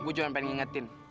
gua cuma pengen ngingetin